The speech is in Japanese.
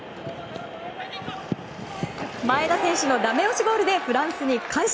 前田選手のダメ押しゴールでフランスに快勝。